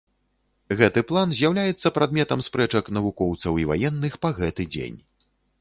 Гэты план з'яўляецца прадметам спрэчак навукоўцаў і ваенных па гэты дзень.